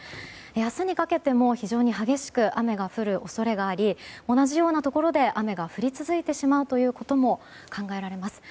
明日にかけても非常に激しく雨が降る恐れがあり同じようなところで雨が降り続いてしまうことも考えられます。